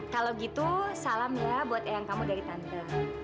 kalau gitu salam ya buat eyang kamu dari tante